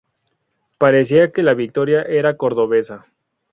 Parecía que la victoria era cordobesa.